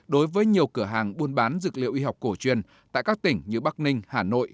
đối với nhiều cửa hàng buôn bán dược liệu y học cổ truyền tại các tỉnh như bắc ninh hà nội